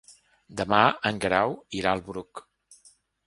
Demà en Guerau irà al Bruc.